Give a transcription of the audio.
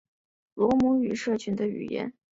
罗姆语社群的语言。